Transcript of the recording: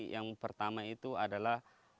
yang pertama itu adalah